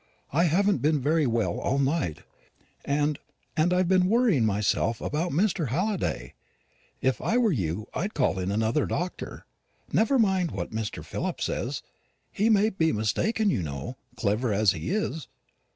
I haven't been very well all night, and and I've been worrying myself about Mr. Halliday. If I were you, I'd call in another doctor. Never mind what Mr. Philip says. He may be mistaken, you know, clever as he is.